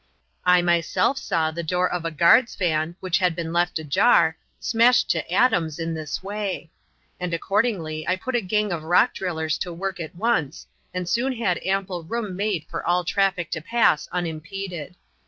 I myself saw the door of a guard's van, which had been left ajar, smashed to atoms in this way; and accordingly I put a gang of rock drillers to work at once and soon had ample room made for all traffic to pass unimpeded.